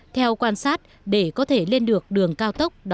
theo quan sát để có thể lên được đường cao tốc